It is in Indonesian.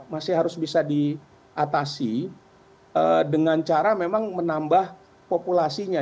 masih harus bisa diatasi dengan cara memang menambah populasinya